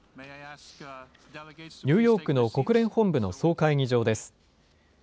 ニューヨークの国連本部の総会議場です。